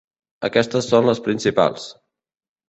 Aquestes són les principals.